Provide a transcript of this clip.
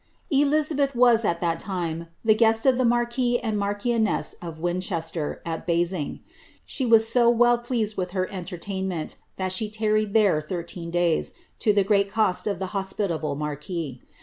Elizabeth was, at that time, the guest of the marquis and marchioness of Winchester, at Basing; she was so well pleased with her entertain Bient, that she tarried there thirteen days, to the great cost of 'the hos pitable marquis.'